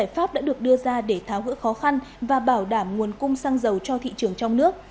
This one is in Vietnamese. giải pháp đã được đưa ra để tháo gỡ khó khăn và bảo đảm nguồn cung xăng dầu cho thị trường trong nước